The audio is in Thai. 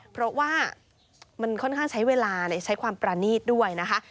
เพราะว่ามันค่อนข้างใช้เวลาใช้ความประนีตด้วยนะคะ